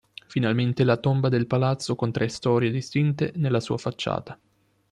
Finalmente la tomba del palazzo con tre storie distinte nella sua facciata.